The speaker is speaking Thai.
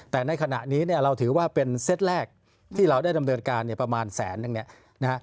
แต่ในขณะนี้เราถือว่าเป็นเซตแรกที่เราได้ดำเนินการประมาณแสนหนึ่ง